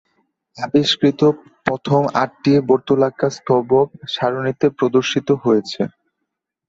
আবিষ্কৃত প্রথম আটটি বর্তুলাকার স্তবক সারণীতে প্রদর্শিত হয়েছে।